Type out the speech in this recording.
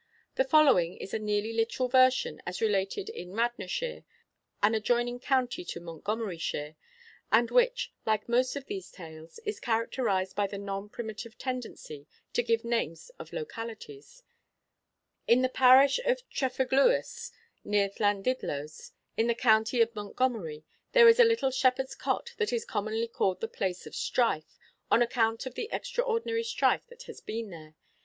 The following is a nearly literal version as related in Radnorshire (an adjoining county to Montgomeryshire), and which, like most of these tales, is characterised by the non primitive tendency to give names of localities: 'In the parish of Trefeglwys, near Llanidloes, in the county of Montgomery, there is a little shepherd's cot that is commonly called the Place of Strife, on account of the extraordinary strife that has been there.